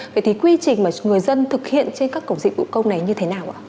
vậy thì quy trình mà người dân thực hiện trên các cổng dịch vụ công này như thế nào ạ